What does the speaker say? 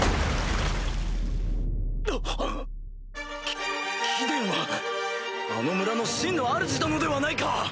き貴殿はあの村の真のあるじ殿ではないか！